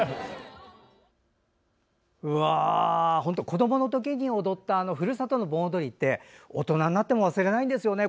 子どもの時に踊ったふるさとの盆踊りって大人になっても忘れないんですよね。